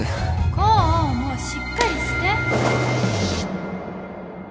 功もうしっかりして